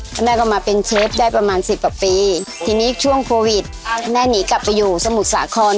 แล้วแม่ก็มาเป็นเชฟได้ประมาณสิบกว่าปีทีนี้ช่วงโควิดแม่หนีกลับไปอยู่สมุทรสาคร